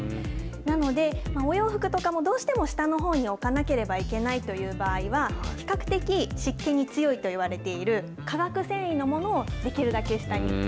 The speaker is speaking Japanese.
なので、お洋服とかも、どうしても下のほうに置かなければいけないという場合は、比較的、湿気に強いといわれている化学繊維のものを、できるだけ下に。